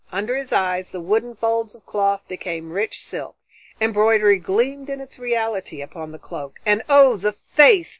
Under his eyes the wooden folds of cloth became rich silk, embroidery gleamed in its reality upon the coat, and oh! the face!